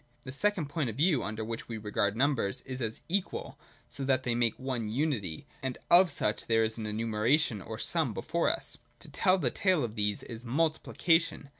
The second point of view under which we regard numbers is as equal, so that they make one unity, and of such there is an annumeration or sum before us. To tell the tale of these is Multiplication.